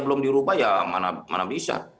belum dirubah ya mana bisa